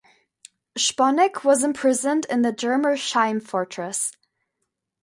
Sponeck was imprisoned in the Germersheim Fortress.